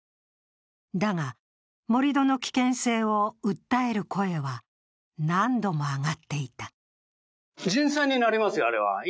だが、盛り土の危険性を訴える声は何度も上がっていた。